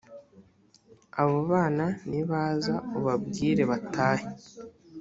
abo bana nibaza ubabwire batahe